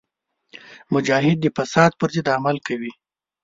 مجاهد د فساد پر ضد عمل کوي.